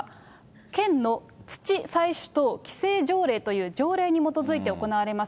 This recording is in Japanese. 県の土採取等規制条例という条例に基づいて行われます。